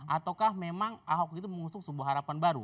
ataukah memang ahok itu mengusung sebuah harapan baru